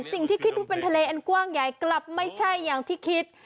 สิ่งที่คิดว่าเป็นทะเลกว่างใหญ่กลับไม่ใช่อย่างที่คิด